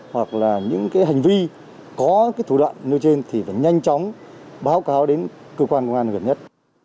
hoặc là những cái hành vi có thủ đoạn nêu trên thì phải nhanh chóng báo cáo đến cơ quan công an gần nhất